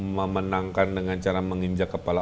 memenangkan dengan cara menginjak kepala